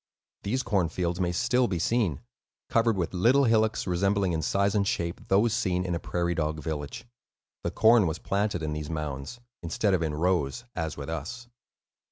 These corn fields may still be seen, covered with little hillocks resembling in size and shape those seen in a prairie dog village; the corn was planted in these mounds, instead of in rows, as with us.